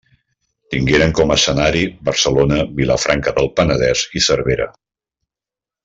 Tingueren com a escenari Barcelona, Vilafranca del Penedès i Cervera.